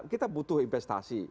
kita butuh investasi